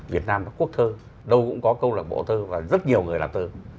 việt nam là quốc thơ đâu cũng có câu lạc bộ thơ và rất nhiều người là thơ